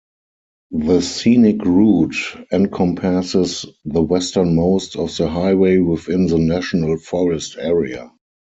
The scenic route encompasses the westernmost of the highway within the national forest area.